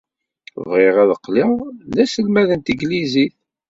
Bɣiɣ ad qqleɣ d aselmad n tanglizit.